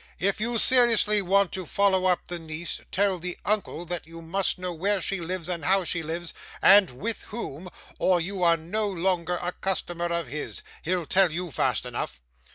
If you seriously want to follow up the niece, tell the uncle that you must know where she lives and how she lives, and with whom, or you are no longer a customer of his. He'll tell you fast enough.